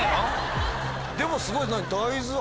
でもすごい。